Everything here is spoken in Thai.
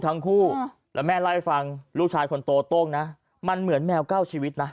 ทั้งคู่แล้วแม่เล่าให้ฟังลูกชายคนโตโต้งนะมันเหมือนแมวเก้าชีวิตนะ